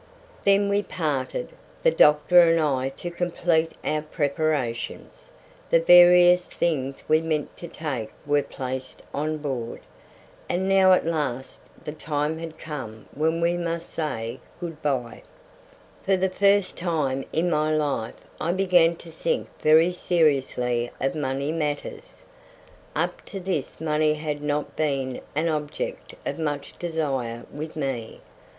Then we parted, the doctor and I to complete our preparations; the various things we meant to take were placed on board, and now at last the time had come when we must say Good bye! For the first time in my life I began to think very seriously of money matters. Up to this money had not been an object of much desire with me.